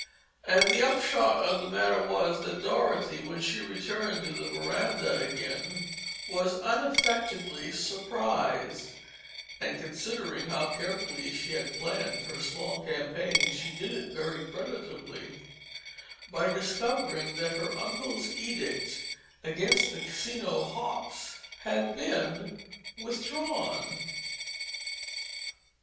And the upshot of the matter was that Dorothy, when she returned to the veranda again, was unaffectedly surprised (and considering how carefully she had planned her small campaign she did it very creditably) by discovering that her uncle's edict against the Casino hops had been withdrawn.